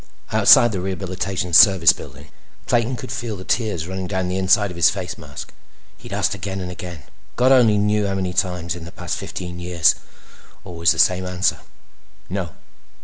Outside the Rehabilitation Service Building, Clayton could feel the tears running down the inside of his face mask. He'd asked again and again—God only knew how many times—in the past fifteen years. Always the same answer. No.